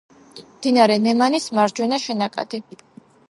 მდინარე ნემანის მარჯვენა შენაკადი.